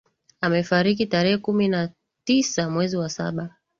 Amefariki tarehe kumi na tisa mwezi wa saba